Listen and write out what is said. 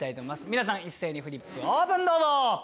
皆さん一斉にフリップオープンどうぞ。